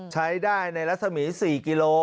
ใช้ได้ในรัศมี๔กิโล